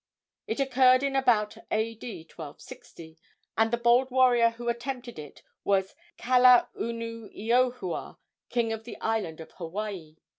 It occurred in about A.D. 1260, and the bold warrior who attempted it was Kalaunuiohua, king of the island of Hawaii.